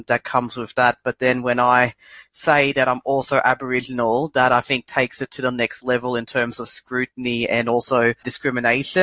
itu menurut saya menjadikannya lebih tinggi dalam hal hal keterangan dan diskriminasi